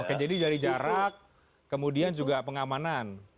oke jadi dari jarak kemudian juga pengamanan